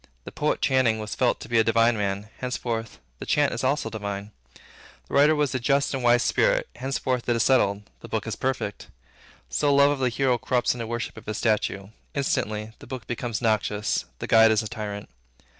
The poet chanting, was felt to be a divine man: henceforth the chant is divine also. The writer was a just and wise spirit: henceforward it is settled, the book is perfect; as love of the hero corrupts into worship of his statue. Instantly, the book becomes noxious: the guide is a tyrant.